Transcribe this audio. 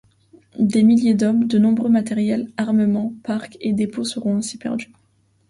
Des milliers d'hommes, de nombreux matériels, armements, parcs et dépôts seront ainsi perdus.